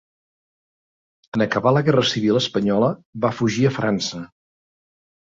En acabar la guerra civil espanyola va fugir a França.